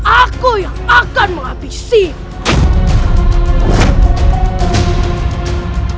aku yang akan menghabisimu